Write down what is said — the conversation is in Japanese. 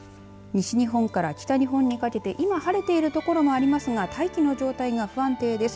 西日本から北日本にかけて今晴れている所もありますが大気の状態が不安定です。